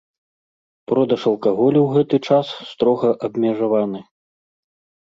Продаж алкаголю ў гэты час строга абмежаваны.